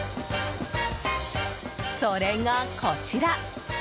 それが、こちら！